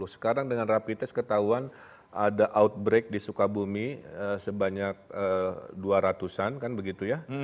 sekarang dengan rapid test ketahuan ada outbreak di sukabumi sebanyak dua ratus an kan begitu ya